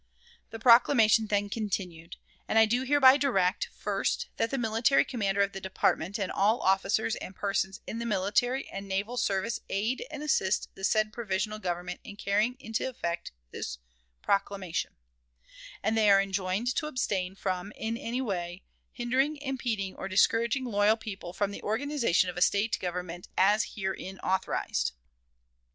The proclamation then continued: "And I do hereby direct: first, that the military commander of the department and all officers and persons in the military and naval service aid and assist the said provisional government in carrying into effect this proclamation; and they are enjoined to abstain from in any way hindering, impeding, or discouraging 'loyal' people from the organization of a State government as herein authorized."